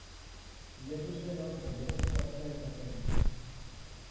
Bilatuz gero gehiago topatzea ez da zaila izango.